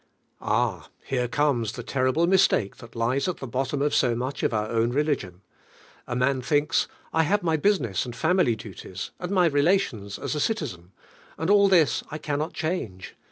Ah! here comes the terrible mistake i hat lies at i he bottom i>f so much of our own religion. A man thinks: I have my business and family duties, and my re lations aa a citizen, and al! this I can not change.